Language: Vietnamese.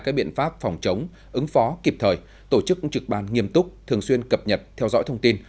các biện pháp phòng chống ứng phó kịp thời tổ chức trực ban nghiêm túc thường xuyên cập nhật theo dõi thông tin